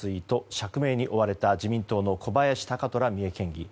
釈明に追われた自民党の小林貴虎三重県議。